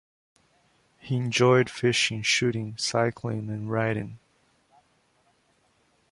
He enjoyed fishing, shooting, cycling and riding.